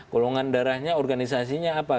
golongan darahnya organisasinya apa